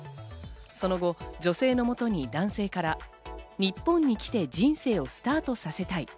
その後、女性のもとに男性から日本に来て人生をスタートさせたい。